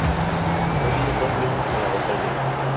Fue herido dos veces en la batallas.